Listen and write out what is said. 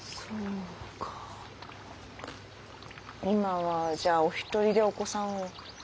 今はじゃあお一人でお子さんを？